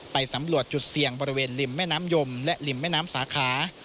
สำรวจจุดเสี่ยงบริเวณริมแม่น้ำยมและริมแม่น้ำสาขา